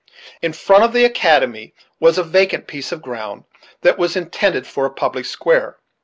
In front of the academy was a vacant piece of ground, that was intended for a public square.